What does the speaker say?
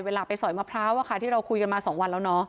เวลาไปสอยมะพร้าวที่เราคุยกันมา๒วันแล้วเนาะ